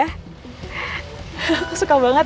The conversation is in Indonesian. aku suka banget